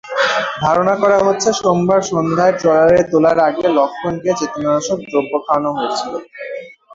ধারণা করা হচ্ছে, সোমবার সন্ধ্যায় ট্রলারে তোলার আগে লক্ষ্মণকে চেতনানাশক দ্রব্য খাওয়ানো হয়েছিল।